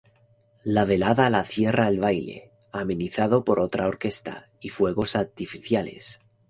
La velada la cierra el baile amenizado por otra orquesta y fuegos artificiales.